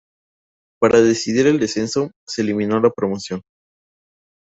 Para decidir el descenso, se eliminó la promoción.